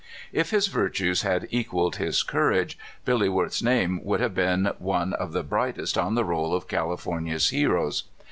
If his virtues had equaled his cour age, Billy Worth's name would have been one of the brightest on the roll of California's heroes.